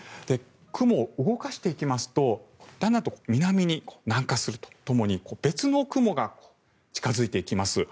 雲、動かしていきますとだんだんと南に南下するとともに別の雲が近付いていきます。